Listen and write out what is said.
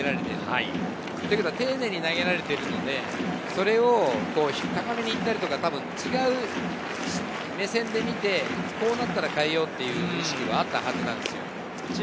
でも丁寧に投げられているので、それを高めに行ったり、違う目線で見て、そうなったら代えようっていう意識はあったはずなんですよ。